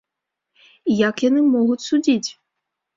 І як яны могуць судзіць?